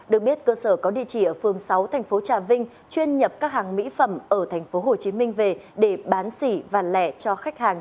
được biết cơ sở có địa chỉ ở phường sáu tp trà vinh chuyên nhập các hàng mỹ phẩm ở tp hcm về để bán xỉ và lẻ cho khách hàng